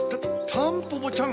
タンポポちゃん